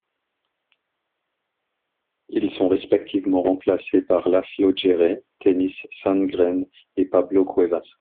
Ils sont respectivement remplacés par Laslo Djere, Tennys Sandgren et Pablo Cuevas.